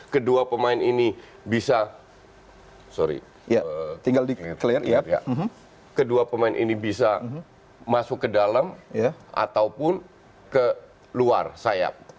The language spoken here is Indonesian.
kedua pemain ini bisa masuk ke dalam ataupun ke luar sayap